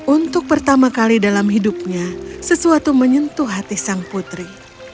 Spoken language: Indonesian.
untuk pertama kali dalam hidupnya sesuatu menyentuh hati sang putri